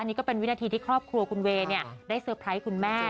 นี่ก็เป็นวินาทีที่ครอบครัวคุณเวย์ได้เซอร์ไพรส์คุณแม่